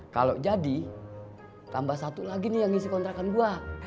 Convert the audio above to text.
kalau jadi tambah satu lagi nih yang ngisi kontrakan gue